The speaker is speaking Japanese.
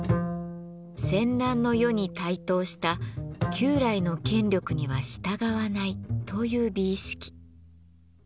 戦乱の世に台頭した旧来の権力には従わないという美意識。